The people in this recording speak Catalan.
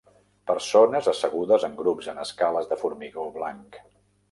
Persones assegudes en grups en escales de formigó blanc.